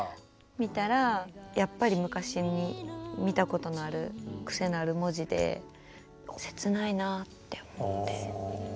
見たらやっぱり昔に見たことのあるクセのある文字でせつないなあって思って。